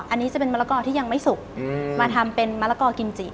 อันนี้จะเป็นมะละกอที่ยังไม่สุกมาทำเป็นมะละกอกิมจิ